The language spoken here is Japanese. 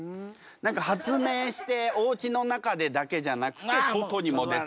何か発明しておうちの中でだけじゃなくて外にも出て。